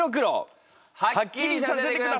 はっきりさせてください！